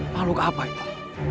makhluk apa itu